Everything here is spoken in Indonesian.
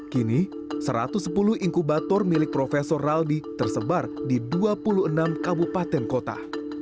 kini satu ratus sepuluh inkubator milik profesor raldi tersebar di dua puluh enam kabupaten kota